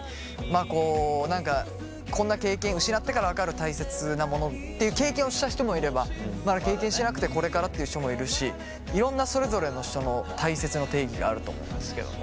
あこう何かこんな経験失ってから分かるたいせつなものっていう経験をした人もいればまだ経験してなくてこれからっていう人もいるしいろんなそれぞれの人のたいせつの定義があると思うんですけども。